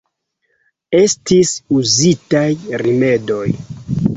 Estis uzitaj rimedoj.